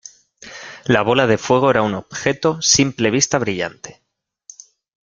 La bola de fuego era un objeto simple vista brillante.